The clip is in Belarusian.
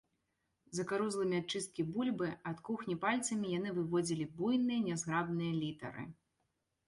Закарузлымі ад чысткі бульбы, ад кухні пальцамі яны выводзілі буйныя нязграбныя літары.